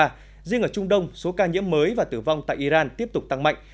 riêng ở trung đông số ca nhiễm mới và tử vong tại iran tiếp tục tăng mạnh